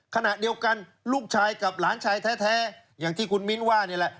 ขณะเดียวกันลูกชายกับหลานชายแท้อย่างที่คุณมิ้นว่านี่แหละ